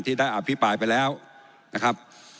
ได้อภิปรายไปแล้วนะครับ